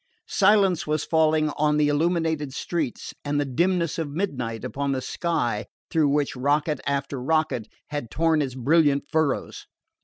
Silence was falling on the illuminated streets, and the dimness of midnight upon the sky through which rocket after rocket had torn its brilliant furrows.